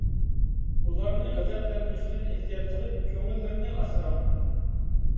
ئۇلارنى غەزەپلەندۈرۈشتىن ئېھتىيات قىلىپ، كۆڭۈللىرىنى ئاسراڭ.